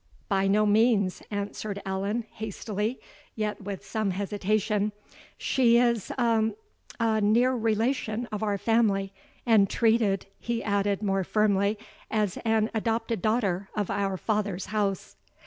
"By no means," answered Allan, hastily, yet with some hesitation; "she is a a near relation of our family and treated," he added, more firmly, "as an adopted daughter of our father's house."